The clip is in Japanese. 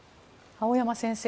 青山先生